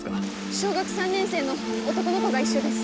小学３年生の男の子が一緒です。